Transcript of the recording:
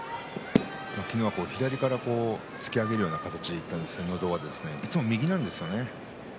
昨日は左から突き上げるような形でいっていつもは右なんですよね。